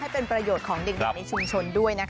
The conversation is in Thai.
เป็นประโยชน์ของเด็กในชุมชนด้วยนะคะ